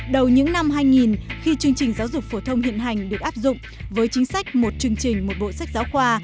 đầu những năm hai nghìn khi chương trình giáo dục phổ thông hiện hành được áp dụng với chính sách một chương trình một bộ sách giáo khoa